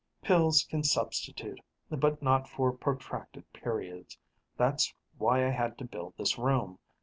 Pills can substitute, but not for protracted periods. That's why I had to build this room.